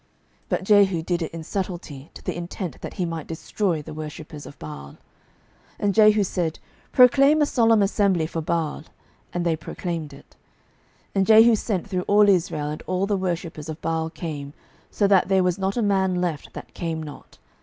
But Jehu did it in subtilty, to the intent that he might destroy the worshippers of Baal. 12:010:020 And Jehu said, Proclaim a solemn assembly for Baal. And they proclaimed it. 12:010:021 And Jehu sent through all Israel: and all the worshippers of Baal came, so that there was not a man left that came not.